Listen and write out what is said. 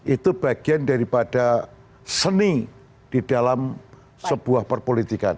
itu bagian daripada seni di dalam sebuah perpolitikan